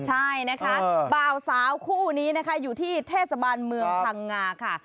ใช่นะคะบ่าวสาวคู่นี้นะคะอยู่ที่เทศบาลเมืองพังงาค่ะ